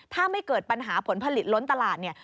ถ้าไม่เกิดปัญหาผลผลิตล้นตลาดเนี่ย